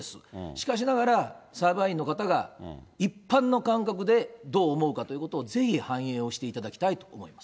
しかしながら、裁判員の方が一般の感覚でどう思うかということを、ぜひ反映をしていただきたいと思います。